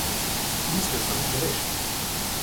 Mislil sem, da veš.